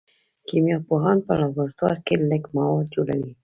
کیمیا پوهان په لابراتوار کې لږ مواد جوړوي.